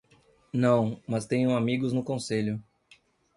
Não, mas tenho amigos no conselho.